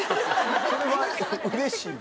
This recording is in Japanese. それはうれしいの？